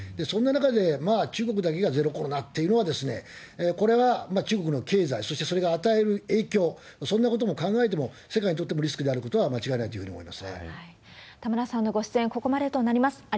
そんな中で、中国だけがゼロコロナっていうのは、これは中国の経済、そしてそれが与える影響、そんなことを考えても、世界にとってもリスクであることは間違いないというふうに思いま田村さんのご出演、ここまでとなります。